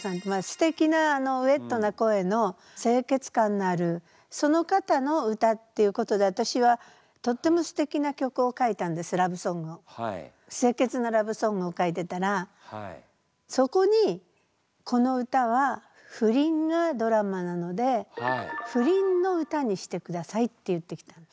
すてきなウエットな声の清潔感のあるその方の歌っていうことで私はとってもすてきな曲を書いたんですラブソングを。を書いてたらそこにこの歌は不倫がドラマなので不倫の歌にしてくださいって言ってきたんです。